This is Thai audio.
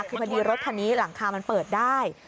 คือพอดีรถคันนี้หลังคามันเปิดได้